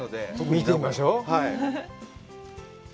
見てみましょう。